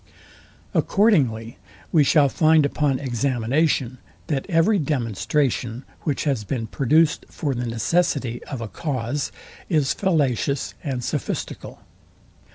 Accordingly we shall find upon examination, that every demonstration, which has been produced for the necessity of a cause, is fallacious and sophistical.